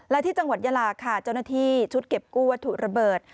และที่จังหวัดยาลาค่ะเจ้าหน้าที่ชุดเก็บกู้วัตถุระเบิด